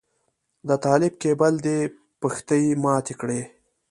د طالب کيبل دې پښتۍ ماتې کړې.